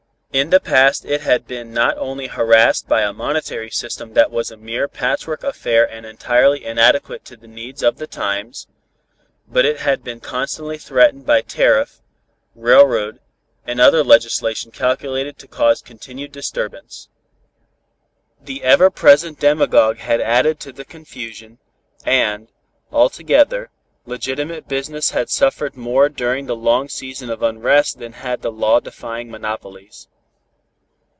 In the past it had been not only harassed by a monetary system that was a mere patchwork affair and entirely inadequate to the needs of the times, but it had been constantly threatened by tariff, railroad and other legislation calculated to cause continued disturbance. The ever present demagogue had added to the confusion, and, altogether, legitimate business had suffered more during the long season of unrest than had the law defying monopolies.